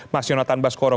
mas yonatan baskoro